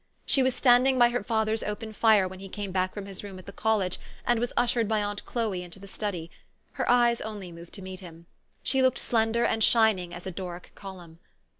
She was standing by her father's open fire when he came back from his room at the college, and was ushered by aunt Chloe into the study. Her eyes only moved to meet him. She looked slender and shining as a Doric column.